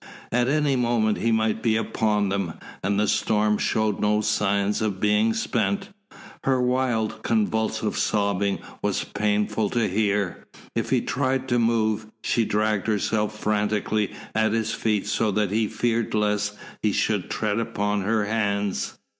At any moment he might be upon them. And the storm showed no signs of being spent. Her wild, convulsive sobbing was painful to hear. If he tried to move, she dragged herself frantically at his feet so that he feared lest he should tread upon her hands.